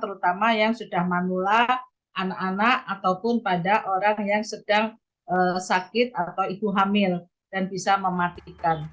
terutama yang sudah manula anak anak ataupun pada orang yang sedang sakit atau ibu hamil dan bisa mematikan